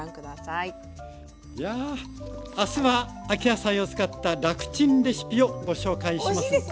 いや明日は秋野菜を使った楽チンレシピをご紹介します。